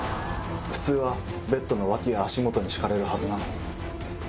普通はベッドの脇や足元に敷かれるはずなのに。